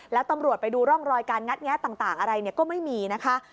แล้วตำรวจไปดูร่องรอยการงัดแงะต่างอะไรก็ไม่มีนะคะ